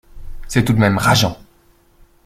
C'est tout de même rageant.